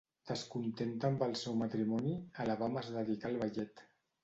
Descontenta amb el seu matrimoni, Alabama es dedicà al ballet.